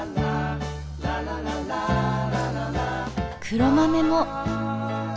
黒豆も。